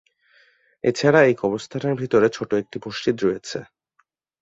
এছাড়া এই কবরস্থানের ভিতরে ছোট একটি মসজিদ রয়েছে।